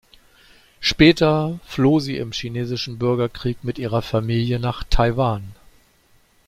Später floh sie im chinesischen Bürgerkrieg mit ihrer Familie nach Taiwan.